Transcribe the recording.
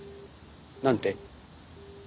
何て？